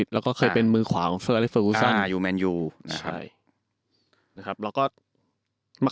แล้วก็เคยเป็นมือขวาของ